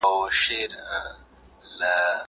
زه به لیکل کړي وي؟!